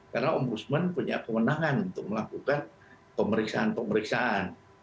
karena ombudsman punya kemenangan untuk melakukan pemeriksaan pemeriksaan